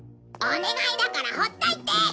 お願いだからほっといて！